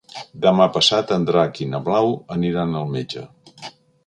Demà passat en Drac i na Blau aniran al metge.